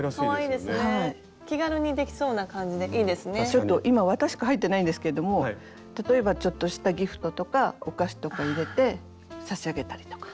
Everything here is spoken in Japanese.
ちょっと今綿しか入ってないんですけども例えばちょっとしたギフトとかお菓子とか入れて差し上げたりとか。